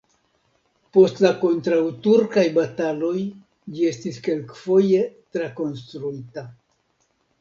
Post la kontraŭturkaj bataloj ĝi estis kelkfoje trakonstruita.